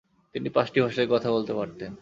তিনি পাঁচটি ভাষায় কথা বলতে পারতেন।